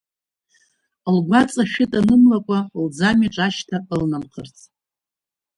Лгәаҵа шәыта анымлакәа, лӡамҩаҿ ашьҭа ылнамхырц.